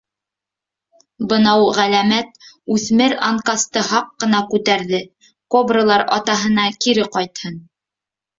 Бынау ғәләмәт, — үҫмер анкасты һаҡ ҡына күтәрҙе, — Кобралар Атаһына кире ҡайтһын.